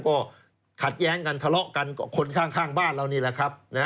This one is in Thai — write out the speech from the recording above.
ก็ขัดแย้งกันทะเลาะกันกับคนข้างบ้านเรานี่แหละครับ